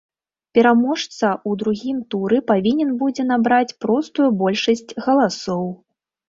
Пераможца ў другім туры павінен будзе набраць простую большасць галасоў.